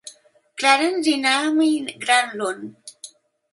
Clarence i Naomi Granlund.